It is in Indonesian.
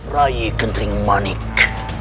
rai kentering manik